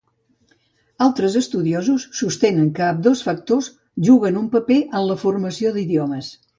Altres estudiosos sostenen que ambdós factors juguen un paper en la formació d'idiomes.